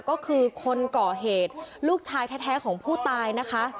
ก็คือคนก่อเหตุลูกชายแท้ของผู้ตายนะคะ